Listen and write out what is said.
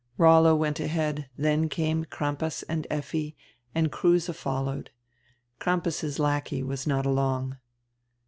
Rollo went ahead, dien came Crampas and Effi, and Kruse followed. Crampas's lackey was not along.